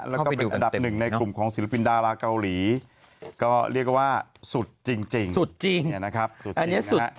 แล้วก็เป็นอันดับหนึ่งในกลุ่มของศิลปินดาราเกาหลีก็เรียกว่าสุดจริงสุดจริงนะครับ